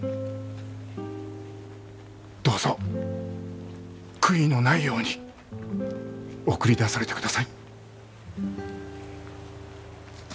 どうぞ悔いのないように送り出されてください。